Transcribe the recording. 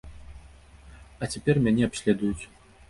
А цяпер мяне абследуюць.